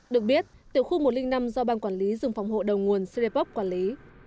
được biết tiểu khu một trăm linh năm do bang quản lý rừng phòng hộ đầu nguồn seripoc quản lý